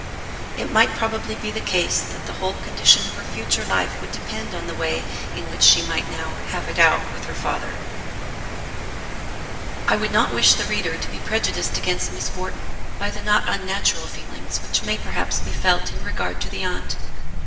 It might probably be the case that the whole condition of her future life would depend on the way in which she might now "have it out" with her father. I would not wish the reader to be prejudiced against Miss Wharton by the not unnatural feeling which may perhaps be felt in regard to the aunt. Mrs.